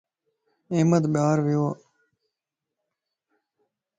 احمد بار ويووَ